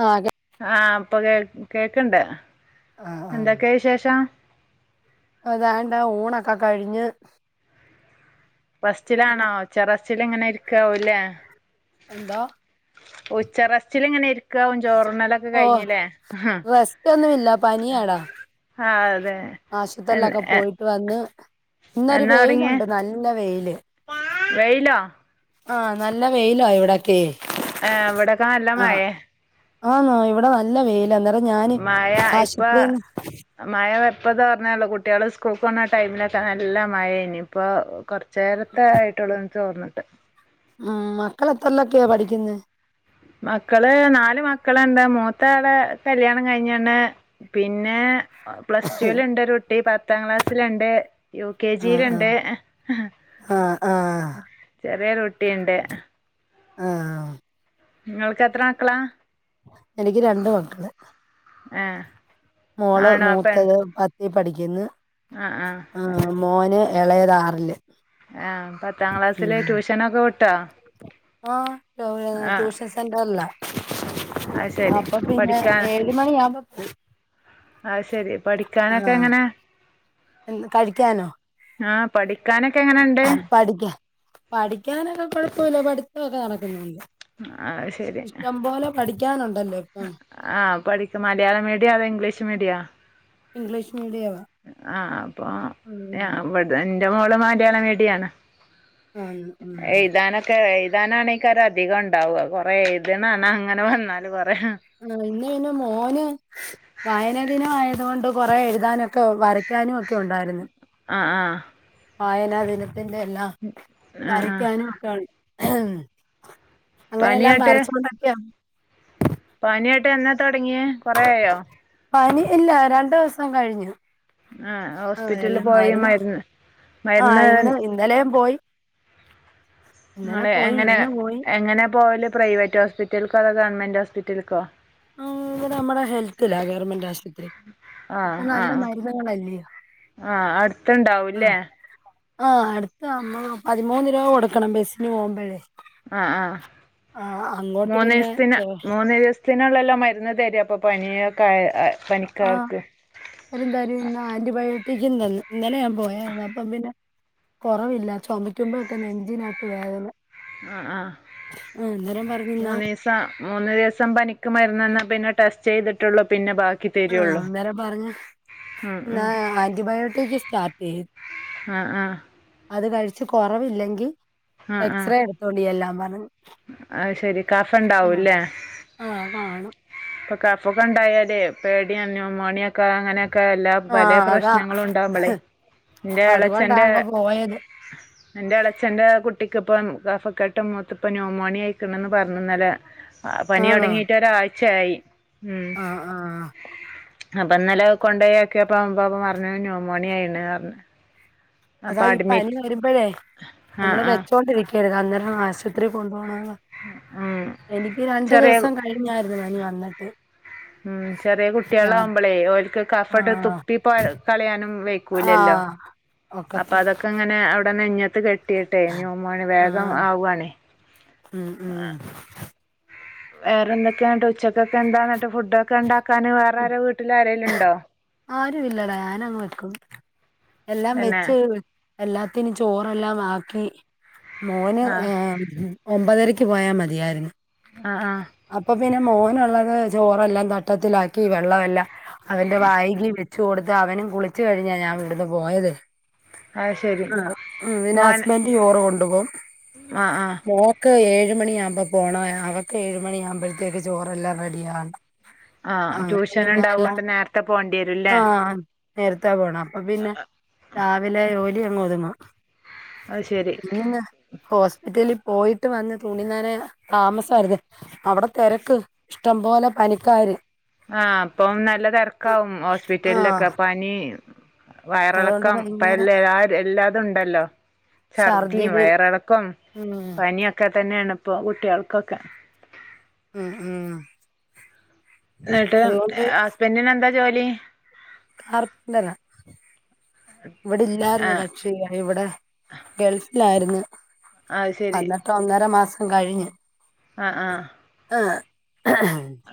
അ അതെ ആ അപ്പൊ കേ കേക്കണ്ട് എന്തൊക്കെയ വിശേഷം അതാണ്ടാ ഊണക്കെ കഴിഞ്ഞ് റെസ്റ്റിലാണോ ച്ചിലങ്ങനെ ഇരിക്കാവല്ലേ എന്താ ഉച്ച റസ്റ്റില് ഇങ്ങനെ ഇര് ഓ റെസ്റ്റ് ഒന്നുമില്ല പനിയടാ അതെ എ ആശുപത്രിലൊക്കെ എ പോയിട്ട് വന്ന് ഇന്നൊരു എന്നാ തൊടങ്ങിയേ വെയിലുണ്ട് നല്ല വെയില്. വെയിലോ ആഹ നല്ല വെയിലാ ഇവിടൊക്കെ ഏ ഇവിടൊക്കെ നല്ല ആഹ് മഴേ ആന്നോ ഇവിടെ നല്ല നല്ല വെയില അന്നേരം ഞാന് മഴ ആശുപത്രിന്ന് ഇപ്പോ തോർന്നൊള്ളു കുട്ടിയാള് സ്കൂൾക്ക് പോന്ന ടൈമിലൊക്കെ നല്ല മഴനി ഇപ്പോ കൊർച്ച് ചേരത്ത ആയിട്ടുള്ള തോർന്നിട്ട് മക്കളെ എത്രല്ലക്കെയോ പഠിക്കുന്ന മക്കള് നാല് മക്കളുണ്ട് മു മൂത്ത ആളെ കല്യാണം കഴിഞ്ഞ്ണ് പിന്നെ പ്ലസ് ടുവിൽ ഉണ്ട് ഒരു കു കുട്ടി പത്താം ക്ലാസ്സില്ണ്ട് യു കെ ആഹ് ജിയില്ണ്ട് ആഹ് ആഹ് ആഹ് ചെറിയരു കുട്ടിണ്ട് ആ ഇങ്ങൾക്ക് എത്ര മക്കളാ എനിക്ക് രണ്ടു മക്കള് ആ മോള് മൂത്തത് പത്ത് ഇൽ പഠിക്കുന്നു ആഹ് ആഹ് ആ മോന് ഇളേതാറില് ആ പത്താം ക്ലാസ്സില് ട്യൂഷനൊക്കെ വിട്ടോ ആ ആഹ് ട്യൂഷൻ സെന്റർ അല്ല അത് ശരി അപ്പൊ പിന്നെ പഠിക്കാൻ ഏഴു മണി ആവുമ്പോ പോകും ആ ശരി പഠിക്കാനൊക്കെ എങ്ങനെ എന്ന് ആഹ പഠിക്കാനൊക്കെ എങ്ങനെയുണ്ട് പഠിക്കാ പഠിക്കാനൊക്കെ കൊഴപ്പമില്ല പഠ ഇതൊക്കെ നടക്കുന്നുണ്ട് അ ശരി ഇഷ്ടം പോലെ പഠിക്കാനുണ്ടല്ലോ ഇപ്പം ആഹ പഠിക്ക മലയാള മീഡിയ അതോ ഇംഗ്ലീഷ് മീഡിയ ഇംഗ്ലീ് ആഹ അപ്പൊ ഉം ഞ അവിടെന്നെ എറെ മോള് മാന്യാളം വേടിയാണ് ആന്ന് ആഹ് താനക്ക ണ അധികം ഉണ്ടാവുക കൊറ ഇാണ് അങ്ങനെ വന്നാല ആ ഇന്ന് പിന്നെ മോന് വായനദിന ആയ അതുകൊണ്ട് കുറെ എഴുതാനൊക്കെ വരയ്ക്കാനും ഒക്കെ ഉണ്ടായിരുന്നു ആ ആ വായനാവിന ന്റെ എല്ലാം ആഹ് ആഹ് വരയ്ക്കാനും ഒക്കെയാണ് ഉഹ അങ്ങനെല്ലാം പനിയായിട്ട് മരച്ചുകൊണ്ടൊക്കെയ പിന്നെ ത തുടങ്ങിയ കൊറയോ പനി ഇല്ല രണ്ടു ദിവസം കഴിഞ്ഞു ആ ആഹ് ഹോസ്പിറ്റലില് എല്ലാം പോയി മരുന്ന് ആഹ് മരുന്ന് ഇന്ന് ഇന്നലെയും പോയി ഇന്നലെ നിങ്ങെ പോയി എങ്ങനെ ഇന്ന് പോയി എങ്ങനെ പോയലും പ്രൈവറ്റ് ഹോസ്പിറ്റൽക്കോ അതോ ഗവൺമെന്റ് ഹോസ്പിറ്റലക്കോ ഇ നമ്മുടെ ഹെൽത്തില്ല ഗവൺമെന്റ് ആശുപത്രി ആഹ് ഇപ്പൊ നല്ല ആഹ് മരുന്നുകളല്ലയോ ആഹ് ആ അടുത്തുണ്ടാവൂല്ലേ ആ അടുത്ത പതിമൂന്ന് രൂപ കൊടുക്കണം ബസിന് പോകുമ്പോഴേ ആഹ ആഹ ആഹ് അങ്ങോട്ട് മൂന്ന് പിന്നെ ദിവസത്തിന് മൂന്ന് ദിവസത്തിനുള്ളെല്ലോ മ അ തരി അപ്പൊ പനിയൊ ആഹ തരും തരും ഇ ആന്റിബയോട്ടിക് ഇന്നലെ ഞാൻ പോയ അപ്പ പിന്നെ കുറവില്ല ചുമക്കുമ്പോ ഒക്കെ നെഞ്ചിനകത്ത് വേദന്ന് ആ ആ പറഞ്ഞിന്നാ മൂന്ന് ദിവസ മൂന്ന് ദിവസം പനിക്ക് മരുന്ന്ന്ന പിന്നെ ടെസ്റ്റ് ചെയ്തിട്ടുള്ളൂ പിന്നെ ബാക്കി ആഹ് തരുള്ളൂ അന്നേരം പറഞ്ഞ് ഉം ഉം എന്നാ ആന്റിബയോട്ടിക്ക് സ്റ്റാർട്ട് തേ. ആഹ് ആഹ്. അത് കഴിച്ച് കൊറവില്ലെങ്കിൽ. ആഹ് ആഹ് എക്സ്റേ എടുത്തോണ്ടി എല്ലാം പറ അത് ശെരി കഫം ഉണ്ടാവും ആഹ് ല്ലേ [inaudible] ആഹ് കാണും ഇപ്പൊ കഫൊക്കെണ്ടായാല് പേടിയ ന്യൂമോണിയക്കെ ക്ക അങ്ങനെയൊക്കെ എല്ലാ പലെ ആഹ് അതാ പ്രശ്നങ്ങളും ഉണ്ടാകുമ്പള് എന്റെ അതുകൊണ്ടാ ഇളച്ചന്റെ അങ്ങ് പോയത് ഇളച്ചന്റെ കുട്ടി ഇന്ക് ഇപ്പം കഫക്കെട്ടും മൊത്ത പനിയും ന്യൂമോണിയ അയ്ക്ക്ണ്ന്ന് പറഞ് ഇന്നലെ ആ പനി തുടങ്ങീട്ട് ഒരാഴ്ച്ചയായി ചായി ആ ആ അപ്പൊ ഇന്നലെ കൊണ്ടേയ് നോക്കിയപ്പോ ഇപ്പ പറഞ്ഞത് ന്യൂമോണിയ ആയ്ണ്ന്ന് പറഞ്ഞു അതാ അപ്പം ഈ പനി അഡ്മിറ്റ് വരുമ്പോഴേ ആ നമ്മള് വെച്ചോണ്ടിരിക്കും ക്കരുത് അന്നേരം നമ്മൾ ആശുപത്രി പോ മ് രണ്ടു ചെറിയ ദിവസം കഴിഞ്ഞായിരുന്നു പനി വന്നിട്ട് മ് ചെറിയ കുട്ടികള് ഞാൻ ആവുമ്പോള് ഓല്ക്ക് കഫം ഇങ്ങട്ട് ആഹ് തുപ്പി പോ കളയാനും വൈ യ്കൂല്ലല്ലോ ആഹ് അപ്പൊ ഒക്കത്ത് അതൊക്കെങ്ങനെ ടെ നെഞ കെട്ടിയിട്ട് ന്യൂമോണിയ വേഗം ആവാണ് മ് മ് വേറെ എന്തൊക്കെ യാന്നിട്ട് ഉച്ചക്കാലത്തേ എന്താ ഫുഡൊക്കെ എന്താ ക്കാൻ വേറെ ആരോ വീട്ടില് വീട്ടിലാരെലും ഉണ്ടോ ആരും ഇല്ലടാ ഞാനങ്ങ് വെക്കും എല്ലാം തന്നെ വെച്ചു- എല്ലാത്തിനും ചോറെല്ലാം ആക്കി മോന് ആഹ് ഹേ ഒമ്പതരക്ക്- ക്ക് പോയാൽ മതിയായിരുന്നു ആഹ് ആഹ് അപ്പൊ പിന്നെ മോനുള്ളത് ചോറെല്ലാം തട്ടത്തിലാ ക്കി വെള്ളമല്ല അവന്റെ വായിക്ക് വെച്ച് കൊടുത്ത് അവനും കുളിച്ചു കഴിഞ്ഞാ ഞാൻ ഇവിടുന്ന് പോയത് അത് ശരി ആ പിന്നെ മോൻ ഹസ്ബൻഡ്‌ ചോറ് കൊണ്ടു പോകും ആഹ് ആഹ് മോൾക്ക് ഏഴു ഏഴ് മണിയാകുമ്പോ പോണം അവൾക്ക് ഏഴു മണിയാകുമ്പോഴത്തേക്കും ചോറെല്ലാം റെഡി ആവണം ആ ട്യൂഷൻ ഉണ്ടാവോണ്ട് നേരത്തെ പോണ്ടി വരും ല്ലേ നേരത്താ പോണം അപ്പ പിന്നെ രാവിലെ [inaudible] അത് ശരി പിന്ന ഹോസ്പിറ്റലിൽ പോയിട്ട് വന്ന് തുണിനന താമസമായിരുന്നു അവിടെ തിരക്ക് ഇഷ്ടംപോലെ പനിക്കാര്. ആ അപ്പം നല്ല തിരക്കാവും ആഹ് ഹോസ്പിറ്റലിലൊക്കെ പനി. അതുകൊണ്ട് വയറിളക്കം ഇപ്പ ഭയങ്കര എല്ല എല്ലാ അതുണ്ടല്ലോ. ഛർദിയും ഛർദില് വയറിളക്കം ഉം പനിയൊക്കെ തന്നെയാണ്. ഇപ്പൊ കുട്ടികൾക്കൊക്കെ. ഉം ഉം. എന്നിട്ട് ഹസ്ബൻഡിന് എന്താ ജോലി. കാർപെന്റ്റാ ഇവിടെ ഇല്ലായിരുന്നു ആഹ് കക്ഷി ഇവിടെ ഗൾഫ് ല്ലായിരുന്നു. അത് ശരി വന്നിട്ട് ഒന്നര മാസ് കഴിഞ്ഞ്. ആഹ് ആഹ്. ആഹ്.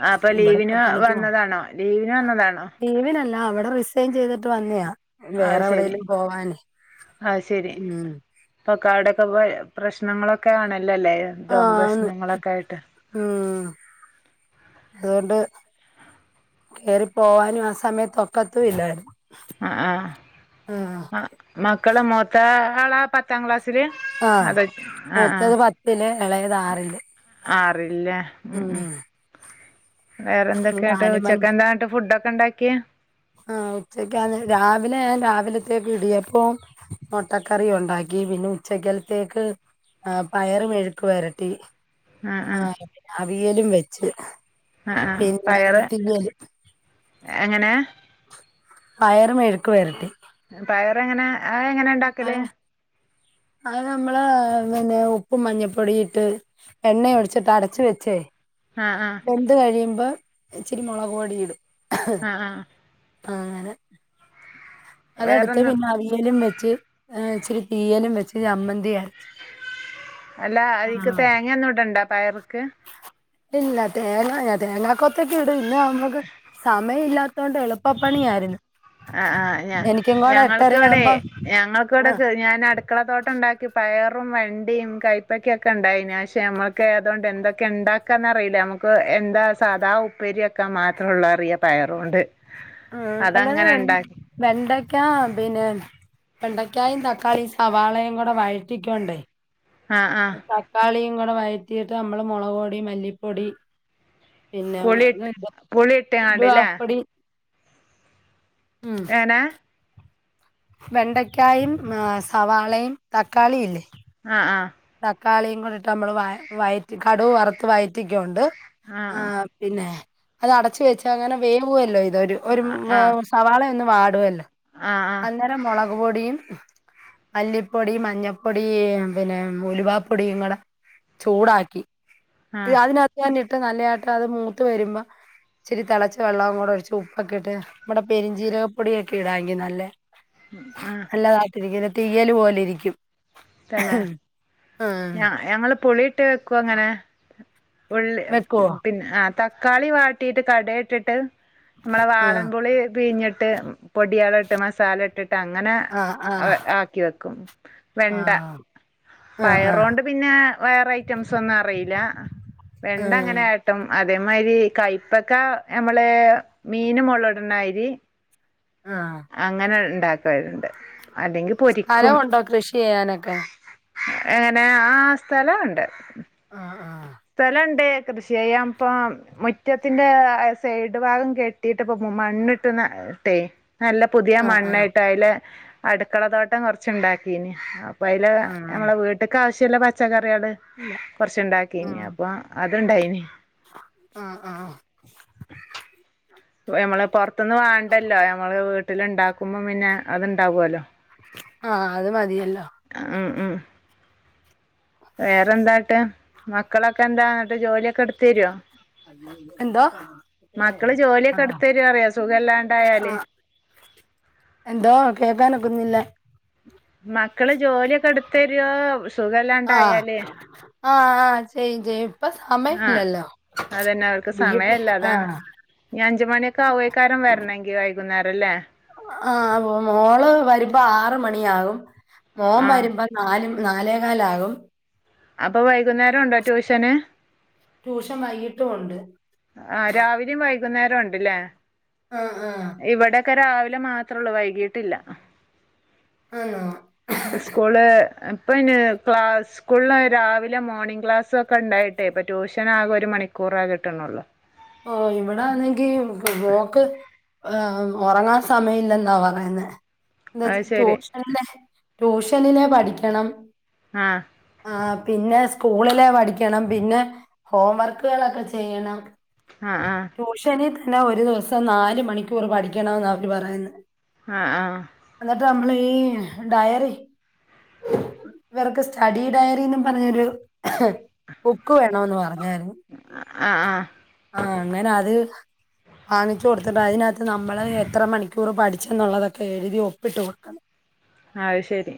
ആ അപ്പൊ ഇവിടെ ഇപ്പ ലീവിന് പണിക്ക് പോണ് വന്നതാണോ ലീവിന് വന്നതാണോ? ആ അവിടെ റിസൈൻ ചെയ്തിട്ട് വന്നതാ. അത് ശരി അത് ശരി ഉം പ്പൊ കടൊക്കെ പോയോ. പ്രശ്നങ്ങളൊക്കെ ആണല് അല്ലല്ലേ എന്തോ ആന്ന് പ്രശ്നങ്ങളൊക്കെ ആയിട്ട്. ഉം അതുകൊണ്ട് കേറി പോവാനും ആ സമയത്തൊക്കത്തും ഇല്ലായിരുന്നു. ആഹ് ആഹ് ആഹ് ആ മക്ക് മക്കള് മുത്ത ആള് പത്താം ക്ലാസ്സ്‌ സ്സില് ആഹ് അത് ആ ആ മൂത്തത് പത്തില് ഇളയത് ആറില് ആറിലാ ഉം ഉം. വേറെ ഇനി എന്തൊക്കെയുണ്ട് നാല് ഉച്ചക്ക് എന്തായുണ്ട് ഫുഡ് ഒക്കെ. ഉണ്ടാക്കിയേ. ആ ഉച്ചക്ക് രാവിലെ രാവിലത്തേക്ക് ഇടിയപ്പോം മുട്ടക്കറി ഉണ്ടാക്കി പിന്നെ ഉച്ചയ്ക്കലത്തേക്ക് പയറ് മെഴുക്ക് പുരട്ടി. ആ. [unintelligible] തിയലും വെച്ച്. ആ ആ പിന്നെ പയറ് തിയല്. എങ്ങനെ. ആയ മെഴുക്ക് വെരട്ടി പയർ എങ്ങനെ ആ [unintelligible] ഹ് എങ്ങനെ ഉണ്ടാക്കല് അത് നമ്മള് പിന്നെ ഉപ്പും മഞ്ഞപ്പൊടിയിട്ട് എണ്ണ ഒഴിച്ചിട്ട് അടച്ച് വെച്ചേ ആ ആ വെന്ത് കഴിയുമ്പം ഇച്ചിരി മൊളക് പൊടി ഇടും. ആഹ് ആഹ്. ആഹ് ങ്ങനെ അതട്ത്ത് വേറൊന്നും പിന്നെ അവിയലും വെച്ച്. ഏഹ് ഇച്ചിരി തീയലും വെച്ച് അമ്മൻ അല്ല അതീക്ക് ആണോ തേങ്ങ ഒന്നും ഇടണ്ട പയറ് ഇല്ല തേങ്ങ [unintelligible] തേങ്ങാ കൊത്തൊക്കെ ഇടു ഇന്ന് അമ്മക്ക് സമയം ഇല്ലാത്തോണ്ട് എളുപ്പപ്പണിയായിര്ന്ന്. ആഹ് ആഹ് ഞ ഞങ്ങൾക്ക്‌ വടെ എട്ടരയാവുമ്പം ഞങ്ങൾക്ക്‌ ആഹ് വടെ [unintelligible] ഞാന് അടുക്കള തോട്ടണ്ടാക്കി പയർ റും വെണ്ടിയും കൈപക്കൊക്കെ ഉണ്ടായിനി. പക്ഷേ നമ്മക്ക് അതുകൊണ്ട് എന്തൊക്കെ ഉണ്ടാക്കാന്നറിയില്ല നമുക്ക് എന്താ സാധാ ഉപ്പേരിയൊക്കെ മാത്രുള്ളൊ അറിയ പയറുകൊണ്ട്. ആഹ് അല്ല അതങ്ങനെ ആഹ് ഉണ്ടാക്കി വെണ്ട ക്ക്യാം പിന്നെ വെണ്ടയ്ക്കായും തക്കാളിയും സവാളയും കൂടെ വഴറ്റിക്കൊണ്ട് ആഹ് ആഹ് തക്കാളീം ഉം കൂടെ വയറ്റീട്ട് അമ്മള് മൊളക് പൊടീം മല്ലിപ്പൊടി പിന്നെ പുളിയിട്ട് [unintelligible] പുളി ഇട്ടങ്ങാണ്ടില്ലേ ഉലുവാപൊടി ഏനാ? വെണ്ടയ്ക്കായും സവാളയും തക്കാളീ ഇല്ലേ? ആഹ് ആഹ്. തക്കാളിയും കൂടി ഇട്ട് നമ്മള് വയ വയറ്റി കടുക് വറുത്ത് വഴറ്റിക്കൊണ്ട് ആഹ് പിന്നെ അത് അടച്ച് വെച്ച് അങ്ങനെ വേ വോല്ലോ അഹ്? ഒരു [unintelligible] ഒരു ആഹ് ആഹ് സവാള പാട്വാല്ല. ആഹ് അന്നേരം മൊളക് പൊടിയും മല്ലിപ്പൊടി മഞ്ഞപ്പൊടി പിന്നെ ഉലുവാപ്പൊടിയും കൂടെ ചൂടാക്കി ആഹ് ആഹ് അതിന [unintelligible] ത്ത് ഞാൻ ഇട്ട് ഇട്ട് നല്ലതായിട്ട് അത് മൂത്ത് വരുമ്പോ ഇച്ചിരി തെളച്ച വെള്ളവും കൂടി ഒഴിച്ച് ഉപ്പൊക്കെ ഇട്ട് നമ്മുടെ പെരിഞ്ചീരകപ്പൊടിയൊക്കെ ഇടാവെങ്കി നല്ല ആഹ് നല്ലതായിട്ടിരിക്കും. തീയ്യല് പോലിരിക്കും. പിന്നെ ആഹ് പുളിയിട്ട് വെക്കും അങ്ങനെ ഉള്ളി വെക്കുവോ പിന്നെ ആ തക്കാളി വാട്ടിയിട്ട് കട ഇട്ടിട്ട് നമ്മളെ ആ വാളൻപുളി പിഴിഞ്ഞിട്ട് പൊടിയള ഇട്ട് മസാല ഇട്ടിട്ട് അങ്ങനെ ആ ആ ആക്കി വെക്കും ആ വെണ്ട ആ ആ പയറു കൊണ്ട് പിന്നെ വേറെ ഐറ്റംസ് ഒന്നും അറിയില്ല വെണ്ട ഉം. അങ്ങനട്ട് അതേമാതിരി കയ്പ്പക്ക നമ്മള് മീൻ മൊളവിടുന്ന മാതിരി ആ അങ്ങനെ ഉണ്ടാക്കാറുണ്ട് സ്ഥലമുണ്ടോ കൃഷി ചെയ്യാനൊക്കെ എങ്ങനെ ആ സ്ഥലം ഒണ്ട് ആഹ ആഹ സ്ഥലുണ്ട് കൃഷി ചെയ്യാ ഇപ്പ മുറ്റത്തിന്റെ സൈഡ് ഭാഗം കെട്ടിട്ട് ഇപ്പ മണ്ണിട്ട് ഇട്ടേ നല്ല പുതിയ ആ ആ മണ്ണായിട്ട് അതില് അടുക്കള തോട്ടം കൊറച്ച് ഉണ്ടാക്കീന് അപ്പ അതില് ആ ഞമ്മള വീട്ടക്കാവവശ്യ ചില പച്ചകറി ഇല്ല കുറച്ചുണ്ടാക്കി ഇനിയപ്പം അതുണ്ടായിന് ആഹ ആഹ നമ്മള് പുറത്തുന്ന് വാണ്ടല്ലോ നമ്മള് വീട്ടില ഉണ്ടാക്കുമ്പോൾ പിന്നെ അത്ണ്ടാവുല്ലോ ആഹ അത് മതിയല്ലോ ഉം ഉം വേറെന്താട്ട് മക്കളൊക്കെ എന്താ എന്നിട്ട് ജോലിയൊക്കെ എടുത്ത് തരുവോ എന്തോ മക്കള് ജോലിയൊക്കെ ആ എടുത്തരോ അറിയാ സുഖല്ലാണ്ടായാല് എന്തോ കേക്കാനൊക്കുന്നില്ല തരുവോ ആഹ് ആഹ് ആ ചെയ്യും ചെയ്യും ഇപ്പൊ ആഹ് സമയംല്ലല്ലോ അതന്നെ അവർക്ക് വീട്ടിൽ സമയല്ല അതാണ് ആഹ ഇനി അഞ്ച് ല്ലേ ആ മോള് വരുമ്പോ ആറ് മണിയാകും മോൻ ആഹ് വരുമ്പോ നാലും നാലേ കാലാകും അപ്പൊ വൈകുന്നേരം ണ്ടോ ട്യൂഷന് ട്യൂഷൻ വൈകിട്ടും ഉണ്ട് ആഹ രാവിലിം വൈ വൈകുന്നേരംണ്ട്ല്ലേ ആഹ ആഹ ക്കെ രാവിലെ മാത്രമേള്ളൂ വൈകിട്ടില്ല ആണോ സ്കൂള് ഇപ്പം ഇന് ക്ലാസ് സ്കൂളിൽ രാവിലെ മോർണിംഗ് ക്ലാസ്സോക്കെ ണ്ടായിട്ടേ ഇപ്പ ട്യൂഷൻ ആകെ ഒരു മണിക്കൂറ ആകെ. കിട്ട്ണളു ഓ ഇവിടൊന്നങ്കി മോക്ക് ഒ ഉറങ്ങാൻ സമയം ഇല്ലെന്നാ പറയുന്നെ എന്ത് അത് ശരി റ്റോപ്ഷ ല്ലേ ട്യൂഷനിലെ പഠിക്കണം ആഹ ആ പിന്നെ സ്കൂളില് പഠിക്കണം പിന്നെ ഹോം വർക്കുകളൊക്കെ ചെയ്യണം ആഹ് ആഹ് ടൂഷ നിത് എന്നാ ഒരു ദിവസം നാല് മണിക്കൂർ പഠിക്കണെന്ന് അവര് പറയ്ണ് ആഹ ആഹ ളെ ഈ ഡയറി വർക്ക് സ്റ്റഡി ഡയറി പറഞ്ഞൊരു ബുക്ക് വേണന്ന് പറഞ്ഞായിരുന്നു. ആഹ് ആഹ് ആ അങ്ങനെ അത് വാങ്ങിച്ചു കൊടുത്തിട്ട് അതിനകത്ത് നമ്മള് എത്ര മണിക്കൂർ പഠിച്ചെന്നുള്ളതൊക്കെ എഴുതി ഒപ്പിട്ട് കൊടുക്കണം അ അത് ശരി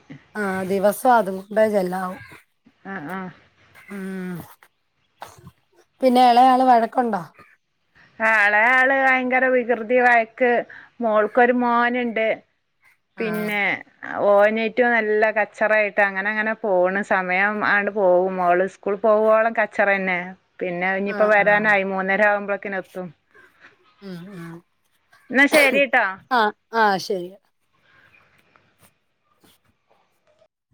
സ്വാദും ബേജ ല്ലാ ആഹ് ആഹ് ഉം പിന്നെ ഇളയാള് വഴ കൊണ്ടൊ എളെ ആള് ഭയങ്കര വികൃതി വയക്ക് മോൾക്കൊരു മോനുണ്ട് ആ പിന്നെ ഓ നെയ്റ്റ്നല്ല കച്ചറയിട്ട് അങ്ങനെ അങ്ങനെ പോണ് സമയം ആണ്ട് പോകും മോള് സ്കൂൾ പോകോളം കച്ചറ തന്നെ പിന്നെ ആ ഇനിയിപ്പോ ആ വരാനായി മൂന്നര ആകുമ്പോ ക്കിനെത്തും ഉം ഉം എന്നാ ശരിട്ടാ ആഹ് ശെരി